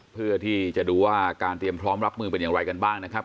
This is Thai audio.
เพื่อที่จะดูว่าการเตรียมพร้อมรับมือเป็นอย่างไรกันบ้างนะครับ